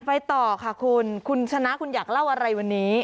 ไปต่อค่ะคุณคุณชนะคุณอยากเล่าอะไรวันนี้